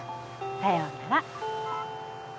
さようなら。